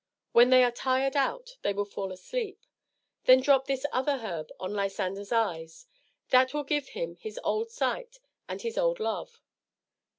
When they are tired out, they will fall asleep. Then drop this other herb on Lysander's eyes. That will give him his old sight and his old love.